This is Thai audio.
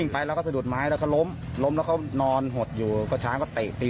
พ่อบ